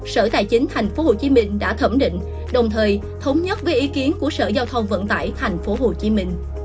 sở tài chính tp hcm đã thẩm định đồng thời thống nhất với ý kiến của sở giao thông vận tải tp hcm